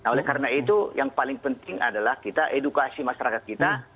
oleh karena itu yang paling penting adalah kita edukasi masyarakat kita